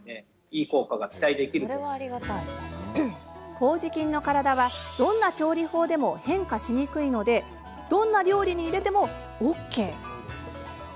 こうじ菌の体はどんな調理法でも変化しにくいのでどんな料理に入れてもＯＫ。